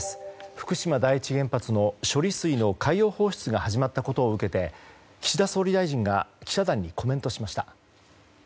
福島第一原発の処理水の海洋放出が始まったことを受けて岸田総理大臣が記者団にコメントしました。